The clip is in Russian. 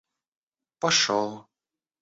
пошел